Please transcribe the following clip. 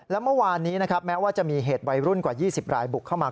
และเมื่อวานนี้นะครับแม้ว่าจะมีเหตุวัยรุ่นกว่า๒๐รายบุกเข้ามา